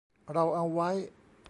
เราเอาไว้